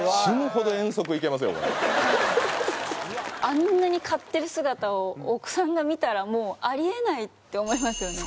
あんなに買ってる姿をお子さんが見たらもうあり得ないって思いますよね。